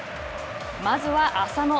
まずは浅野。